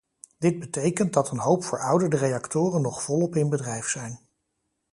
Dit betekent dat een hoop verouderde reactoren nog volop in bedrijf zijn.